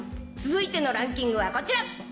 続いてのランキングはこちら。